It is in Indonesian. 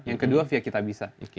yang kedua via kitabisa